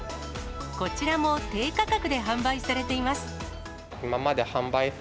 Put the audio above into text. こちらも低価格で販売されています。